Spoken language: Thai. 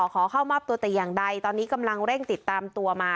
ขอเข้ามอบตัวแต่อย่างใดตอนนี้กำลังเร่งติดตามตัวมา